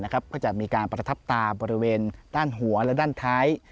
ก็จะมีการประทับตาบริเวณด้านหัวและด้านท้าย